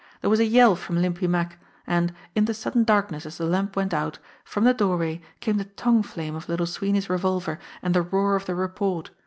There was a yell from Limpy Mack; and, in the sudden darkness as the lamp went out, from the doorway came the tongue flame of Little Sweeney's revolver and the roar of the report.